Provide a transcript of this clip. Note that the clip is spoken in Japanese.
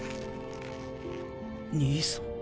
兄さん。